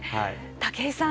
武井さん